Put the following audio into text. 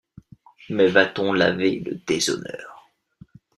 Mais va-t-on laver le déshonneur?